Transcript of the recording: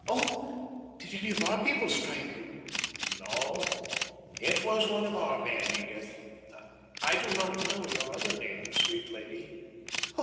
Oh! did any of our people strike you?" "No it was one of our men, Edith! I do not know your other name, sweet lady!"